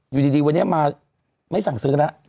อยู่ดีวันนี้มาไม่สั่งซื้อแล้ว